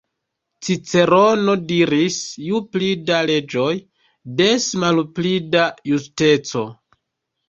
Cicerono diris "ju pli da leĝoj, des malpli da justeco".